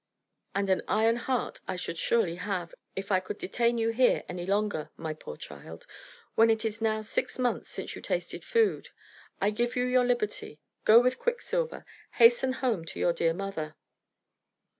And an iron heart I should surely have, if I could detain you here any longer, my poor child, when it is now six months since you tasted food. I give you your liberty. Go with Quicksilver. Hasten home to your dear mother."